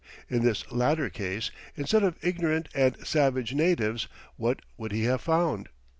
In this latter case, instead of ignorant and savage natives, what would he have found?